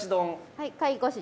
はい。